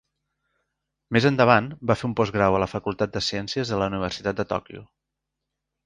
Més endavant, va fer un postgrau a la facultat de ciències de la universitat de Tòquio.